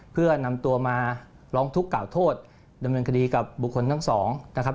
เพื่อนำตัวมาร้องทุกข์กล่าวโทษดำเนินคดีกับบุคคลทั้งสองนะครับ